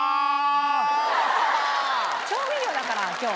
調味料だから今日。